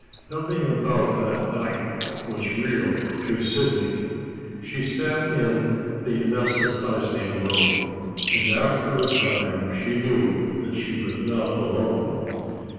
Nothing about that night was real to Sidney. She sat in the anaesthetizing room, and after a time she knew that she was not alone.